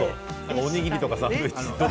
おにぎりとかサンドイッチとか。